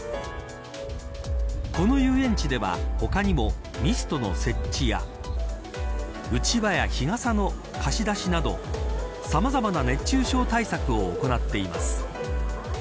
この遊園地では、他にもミストの設置やうちわや日傘の貸し出しなどさまざまな熱中症対策を行っています。